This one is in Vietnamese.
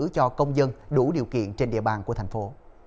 cho công dân đủ điều kiện trên địa bàn của thành phố